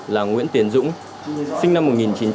là nguyễn tiến dũng sinh năm một nghìn chín trăm tám mươi